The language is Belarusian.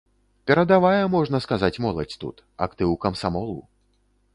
Перадавая, можна сказаць, моладзь тут, актыў камсамолу.